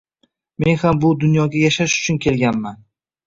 Men ham bu dunyoga yashash uchun kelganman.